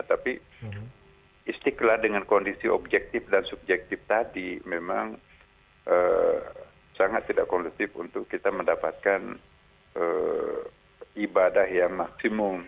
tapi istiqlal dengan kondisi objektif dan subjektif tadi memang sangat tidak kondusif untuk kita mendapatkan ibadah yang maksimum